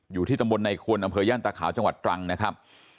อยู่ที่ตำบลในควรอำเภอย่านตาขาวจังหวัดตรังนะครับ